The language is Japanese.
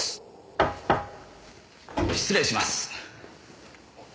失礼します。